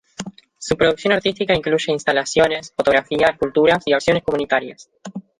Su producción artística incluye instalaciones, fotografía, escultura y acciones comunitarias.